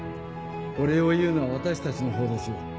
お礼を言うのは私たちの方ですよ。